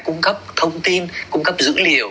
cung cấp thông tin cung cấp dữ liệu